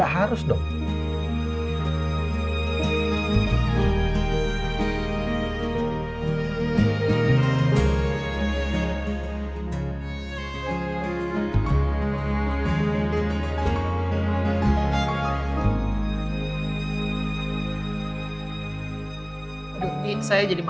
harus dong makan ini